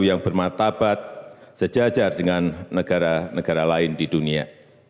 yang bermartabat sejajar dengan negara negara lain di dunia